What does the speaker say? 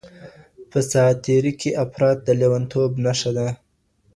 په ساعت تیرۍ کي افراط د لیونتوب نښه ده.